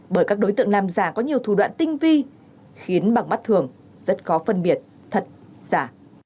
bởi các đối tượng làm giả có nhiều thủ đoạn tinh vi khiến bằng mắt thường rất khó phân biệt thật giả